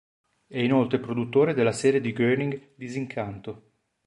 È inoltre produttore della serie di Groening Disincanto.